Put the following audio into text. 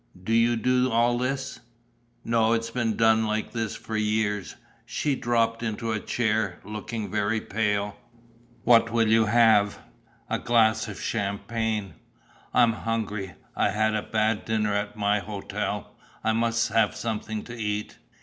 "Do you do all this?" "No, it's been done like this for years...." She dropped into a chair, looking very pale. "What will you have?" "A glass of champagne." "I'm hungry. I had a bad dinner at my hotel. I must have something to eat."